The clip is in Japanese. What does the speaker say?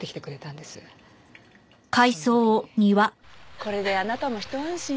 これであなたもひと安心ね。